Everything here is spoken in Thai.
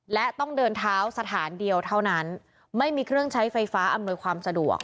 และต้องเดินเท้าสถานเดียวเท่านั้นไม่มีเครื่องใช้ไฟฟ้าอำนวยความสะดวก